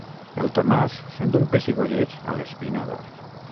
El Tomàs sent un pessigolleig a l'espinada.